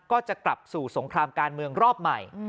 ก็จะกลับสู่สงครามการเมืองรอบใหม่